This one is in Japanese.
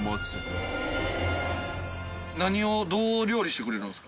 何をどう料理してくれるんすか？